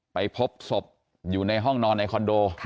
ไปพบศพอยู่ในห้องนอนในคอนโด